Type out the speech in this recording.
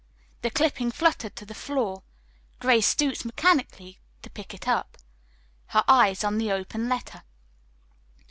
The clipping fluttered to the floor. Grace stooped mechanically to pick it up, her eyes on the open letter.